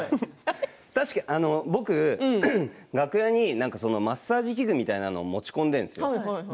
確かに僕は楽屋にマッサージ系のみたいなものを持ち込んでいるんですよ。